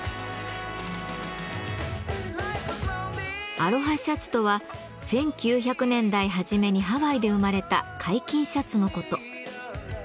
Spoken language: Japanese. アロハシャツとは１９００年代はじめにハワイで生まれた開襟シャツのこと。